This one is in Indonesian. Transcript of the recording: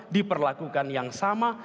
diperlakukan yang sama